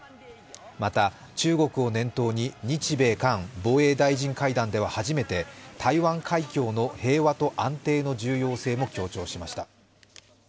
また、中国を念頭に、日米韓防衛大臣会談では初めて台湾海峡の平和と安定の重要性も強調しました。